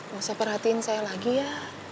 gak usah perhatiin saya lagi ya